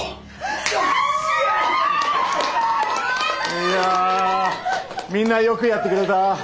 いやみんなよくやってくれた。